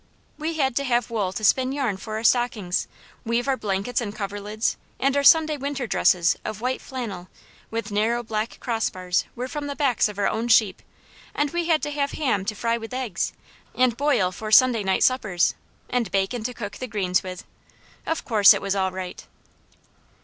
We had to have wool to spin yarn for our stockings, weave our blankets and coverlids, and our Sunday winter dresses of white flannel with narrow black crossbars were from the backs of our own sheep, and we had to have ham to fry with eggs, and boil for Sunday night suppers, and bacon to cook the greens with of course it was all right.